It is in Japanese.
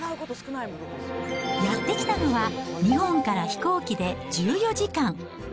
やって来たのは、日本から飛行機で１４時間。